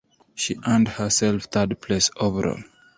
She earned herself third place overall.